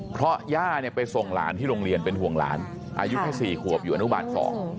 เพราะย่าไปส่งหลานที่โรงเรียนเป็นห่วงหลานอายุแค่๔ขวบอยู่อนุบาล๒